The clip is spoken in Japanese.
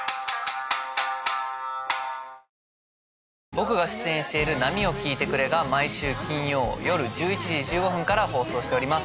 僕が出演している『波よ聞いてくれ』が毎週金曜よる１１時１５分から放送しております。